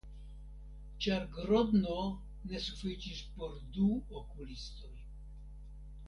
Ĉar Grodno ne sufiĉis por du okulistoj.